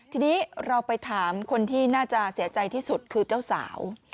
ทีนี้เราไปถามคนที่น่าจะเสียใจที่สุดคือเจ้าสาว